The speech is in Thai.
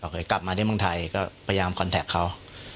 เคยกลับมาที่เมืองไทยก็พยายามคอนแท็กเขา